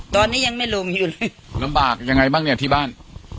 ตอนนี้ยังไม่ลงอยู่เลยลำบากยังไงบ้างเนี่ยที่บ้าน